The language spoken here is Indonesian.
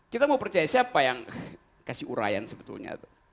kita mau percaya siapa yang kasih urayan sebetulnya